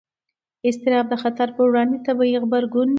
اضطراب د خطر پر وړاندې طبیعي غبرګون دی.